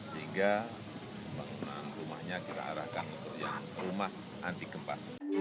sehingga bangunan rumahnya diarahkan untuk yang rumah anti gempa